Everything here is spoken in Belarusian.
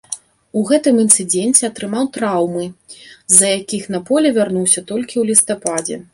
У гэтым інцыдэнце атрымаў траўмы, з-за якіх на поле вярнуўся толькі ў лістападзе.